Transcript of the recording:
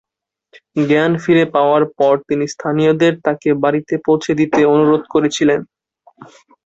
জ্ঞান ফিরে পাওয়ার পর তিনি স্থানীয়দের তাকে বাড়িতে পৌঁছে দিতে অনুরোধ করেছিলেন।